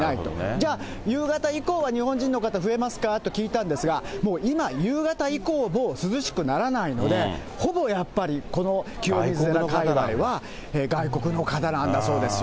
じゃあ、夕方以降は日本人の方、増えますかと聞いたんですが、もう今、夕方以降も涼しくならないので、ほぼやっぱり、この清水寺界わいは、外国の方なんだそうですよ。